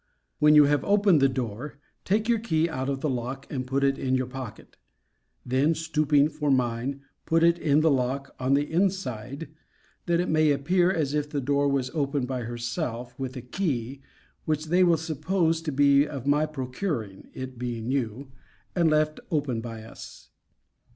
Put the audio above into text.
When you have opened the door, take your key out of the lock, and put it in your pocket: then, stooping for mine, put it in the lock on the inside, that it may appear as if the door was opened by herself, with a key, which they will suppose to be of my procuring (it being new) and left open by us.